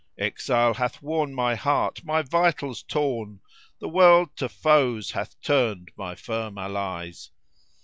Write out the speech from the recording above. Exile hath worn my heart, my vitals torn; The World to foes hath turned my firm allies.